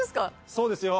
そうですよ